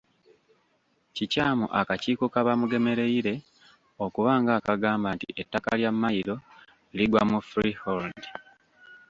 Kikyamu akakiiko ka Bamugemereire okuba ng'akagamba nti ettaka lya Mmayiro ligwa mu Freehold.